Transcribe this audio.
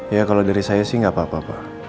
ya kalau dari saya sih nggak apa apa